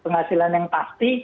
penghasilan yang pasti